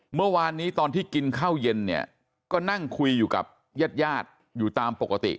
เมื่อวานนี้ตอนที่กินข้าวเย็นเนี่ยก็นั่งคุยอยู่กับญาติญาติอยู่ตามปกติ